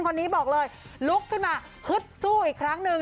คนนี้บอกเลยลุกขึ้นมาฮึดสู้อีกครั้งหนึ่ง